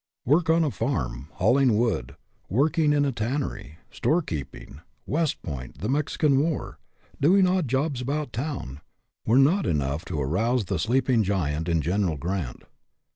Work on a farm, hauling wood, working in a tannery, storekeeping, West Point, the Mexican War, doing odd jobs about town, were not enough to arouse the sleeping giant 89 90 RESPONSIBILITY DEVELOPS in General Grant.